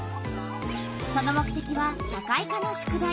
その目てきは社会科の宿題。